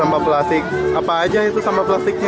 sampah plastik apa aja itu sampah plastiknya